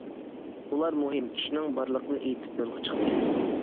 ئۇلار مۇھىم ئىشىنىڭ بارلىقىنى ئېيتىپ يولغا چىقتى.